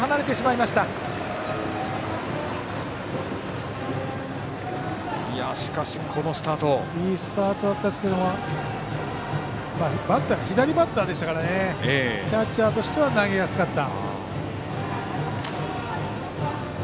いいスタートだったんですけどバッターが左バッターでしたからキャッチャーとしては投げやすかった。